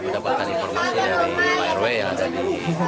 dapatkan informasi dari fireway yang ada di